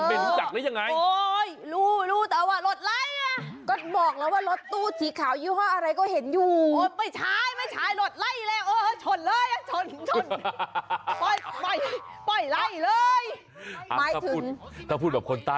เอ้ารถตู้